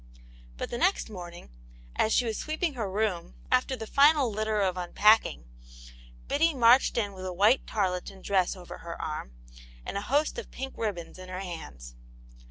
But the next morning, as she was sweeping her room, after the final litter of unpacking, Biddy marched in with a white tarleton dress over her arm, and a host of pink ribbons in her hands.